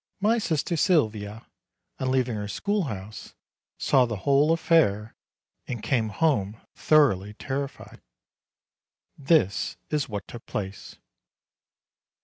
My sister Sylvia, on leaving her schoolhouse, saw the whole affair, and came home thoroughly terrified. This is what took place.